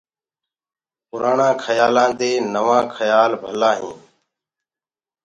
پُرآڻآ کيآلآندي نوآ کيآل ڀلآ هينٚ۔